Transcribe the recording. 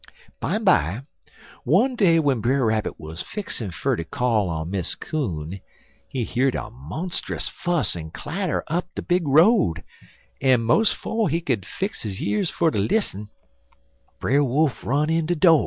"Bimeby, one day w'en Brer Rabbit wuz fixin' fer ter call on Miss Coon, he heerd a monstrus fuss en clatter up de big road, en 'mos' 'fo' he could fix his years fer ter lissen, Brer Wolf run in de do'.